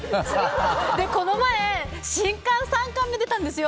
この前、新刊３巻目出たんです。